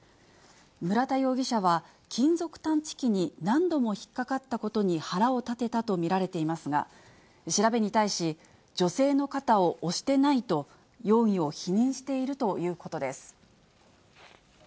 村田容疑者は、金属探知機に何度も引っ掛かったことに腹を立てたと見られていますが、調べに対し、女性の肩を押してないと、容疑を否認しているということです。